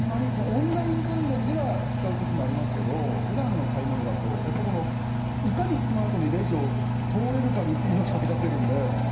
オンライン関連では使う時ありますけど普段の買い物だといかにスマートにレジを通れるかに命かけちゃってるので。